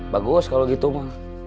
bagus kalau gitu ma